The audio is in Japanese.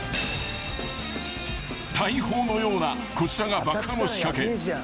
［大砲のようなこちらが爆破の仕掛け］